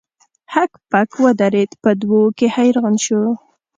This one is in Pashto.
هک پک ودریده په دوه وو کې حیران شو.